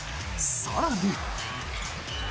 更に。